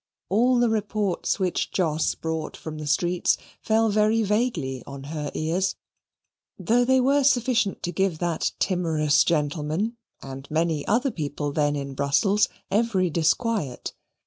All the reports which Jos brought from the streets fell very vaguely on her ears; though they were sufficient to give that timorous gentleman, and many other people then in Brussels, every disquiet.